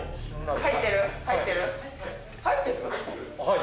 はい。